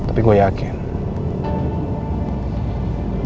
dia pasti bakal nanya ke tante sarah